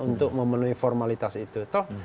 untuk memenuhi formalitas itu